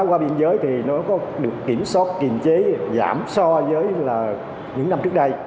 qua biên giới thì nó có được kiểm soát kiềm chế giảm so với những năm trước đây